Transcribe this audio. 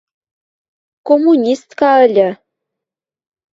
– Коммунистка ыльы...